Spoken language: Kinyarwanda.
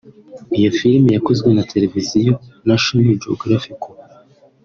Iyo filime yakozwe na televiziyo National Geographic